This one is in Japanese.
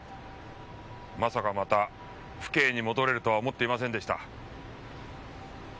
まさかまた府警に戻れるとは思っていませんでした。